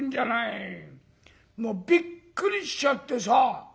もうびっくりしちゃってさ」。